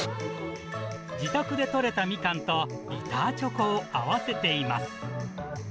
自宅で取れたみかんとビターチョコを合わせています。